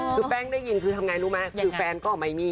คือแป้งได้ยินคือทำไงรู้ไหมคือแฟนก็ไม่มี